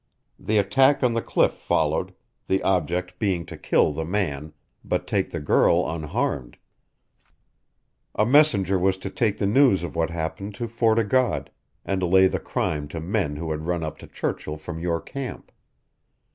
The attack on the cliff followed, the object being to kill the man, but take the girl unharmed, A messenger was to take the news of what happened to Fort o' God, and lay the crime to men who had run up to Churchill from your camp.